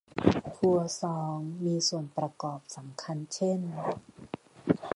ครัวซองมีส่วนประกอบสำคัญเช่น